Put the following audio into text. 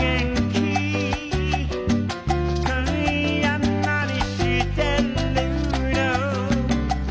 「今夜なにしてるの？」